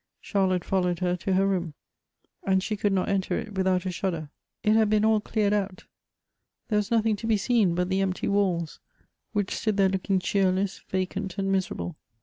Charlotte followed her to her room,' and she could not enter it without a shudder. It had been all cleared out. There was nothing to be seen but the empty walls, which stood there looking cbeerless, vacant, and miser able.